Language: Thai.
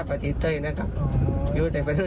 ๑ปีการใส่รูปวินิสัย